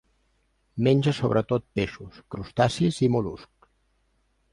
Menja sobretot peixos, crustacis i mol·luscs.